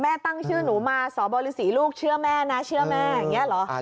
ตั้งชื่อหนูมาสบริษีลูกเชื่อแม่นะเชื่อแม่อย่างนี้เหรอ